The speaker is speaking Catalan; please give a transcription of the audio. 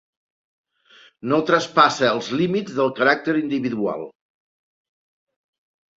No traspassa els límits del caràcter individual.